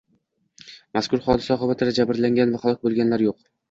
Mazkur hodisa oqibatida jabrlangan va halok bo‘lganlar yo‘q